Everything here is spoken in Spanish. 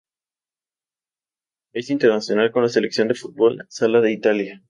Es internacional con la Selección de fútbol sala de Italia.